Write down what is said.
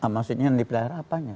maksudnya yang dipelihara apanya